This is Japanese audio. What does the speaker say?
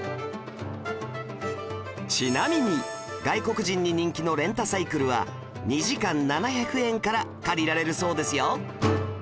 ちなみに外国人に人気のレンタサイクルは２時間７００円から借りられるそうですよ